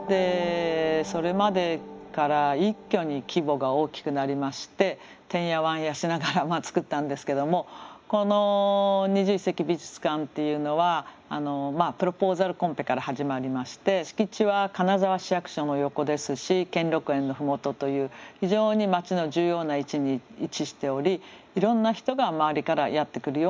それまでから一挙に規模が大きくなりましててんやわんやしながら作ったんですけどもこの２１世紀美術館っていうのはプロポーザルコンペから始まりまして敷地は金沢市役所の横ですし兼六園の麓という非常に街の重要な位置に位置しておりいろんな人が周りからやって来るような場所でした。